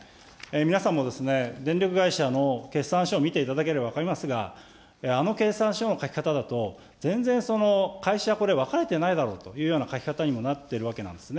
皆さんも電力会社の決算書見ていただければ分かりますが、あの決算書の書き方だと、全然、会社、これ、分かれてないだろうというような書き方にもなっているわけなんですね。